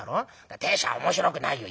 亭主は面白くないよ。